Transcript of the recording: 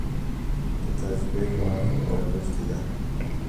د تاج بیګ ماڼۍ په کابل کې ده